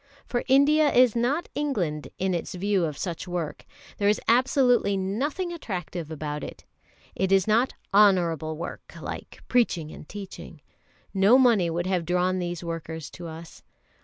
For India is not England in its view of such work. There is absolutely nothing attractive about it. It is not "honourable work," like preaching and teaching. No money would have drawn these workers to us.